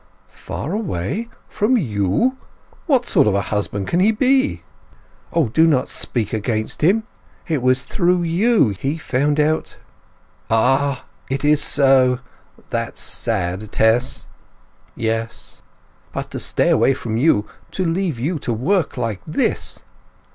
"Far away? From you? What sort of husband can he be?" "O, do not speak against him! It was through you! He found out—" "Ah, is it so!... That's sad, Tess!" "Yes." "But to stay away from you—to leave you to work like this!"